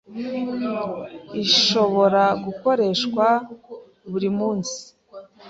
ishobora gukoreshwa buri munsi.